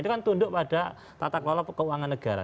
itu kan tunduk pada tatak lola keuangan negara